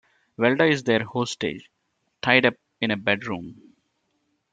Velda is their hostage, tied up in a bedroom.